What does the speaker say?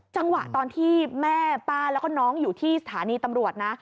จังหวะตอนที่แม่ป้าแล้วก็น้องอยู่ที่สถานีตำรวจนะ